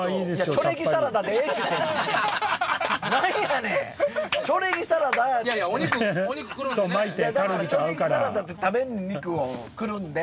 チョレギサラダで食べんねん肉をくるんで。